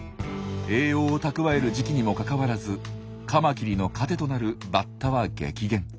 栄養を蓄える時期にもかかわらずカマキリの糧となるバッタは激減。